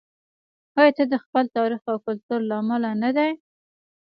آیا د خپل تاریخ او کلتور له امله نه دی؟